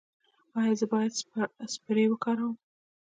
ایا زه باید سپری وکاروم؟